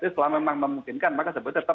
setelah memang memungkinkan maka